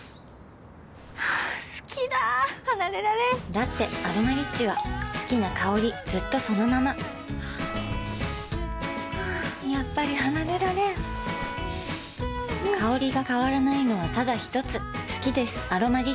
好きだ離れられんだって「アロマリッチ」は好きな香りずっとそのままやっぱり離れられん香りが変わらないのはただひとつ好きです「アロマリッチ」